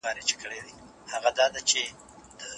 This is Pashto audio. پښتو به د نورو ژبو تر څنګ ودريږي.